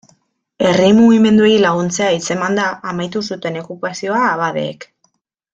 Herri mugimenduei laguntzea hitzemanda amaitu zuten okupazioa abadeek.